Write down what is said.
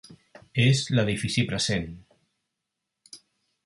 És l'edifici present.